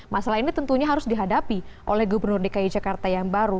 masalah ini tentunya harus dihadapi oleh gubernur dki jakarta yang baru